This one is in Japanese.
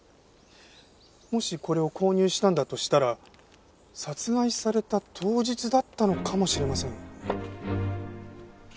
もしこれを購入したんだとしたら殺害された当日だったのかもしれません。